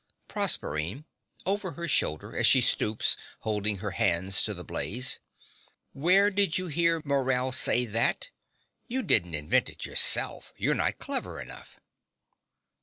PROSERPINE (over her shoulder, as she stoops, holding her hands to the blaze). Where did you hear Morell say that? You didn't invent it yourself: you're not clever enough.